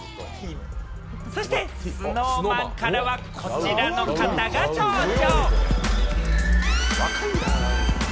そしてＳｎｏｗＭａｎからは、こちらの方が登場！